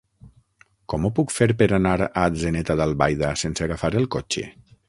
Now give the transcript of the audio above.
Com ho puc fer per anar a Atzeneta d'Albaida sense agafar el cotxe?